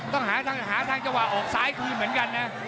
ต้องหาทางจังหวะออกซ้ายคืนเหมือนกันนะ